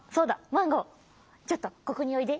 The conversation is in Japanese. マンゴーちょっとここにおいで。